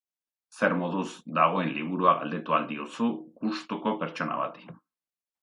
Zer moduz dagoen liburua galdetu ahal diozu gustuko pertsona bati.